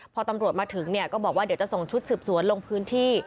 พอตำรวจมาถึงเนี่ยก็บอกว่าเดี๋ยวจะส่งชุดสืบสวนลงพื้นที่